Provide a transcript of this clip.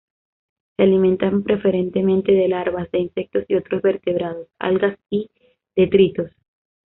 Se alimentan preferentemente de larvas de insectos y otros vertebrados, algas y detritos.